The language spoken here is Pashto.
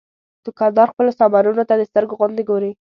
دوکاندار خپلو سامانونو ته د سترګو غوندې ګوري.